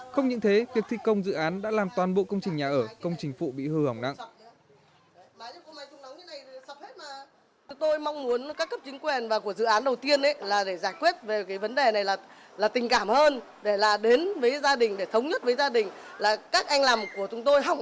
không những thế đăng thị cồng dự án đã làm toàn bộ công trình nhà ở công trình phụ bị hư hỏng nặng